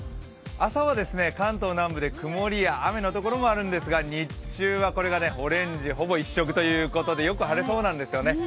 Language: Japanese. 朝は関東南部で曇りや雨のところもあるんですが日中はこれがオレンジほぼ一色ということでよく晴れそうなんですよね。